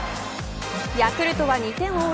ヤクルトは２点を追う